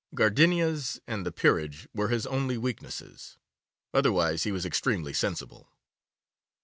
Gardenias and the peerage were his only weaknesses. Otherwise he was extremely sensible.